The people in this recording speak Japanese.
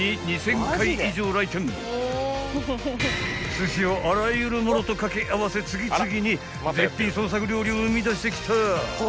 ［寿司をあらゆるものと掛け合わせ次々に絶品創作料理を生み出してきた］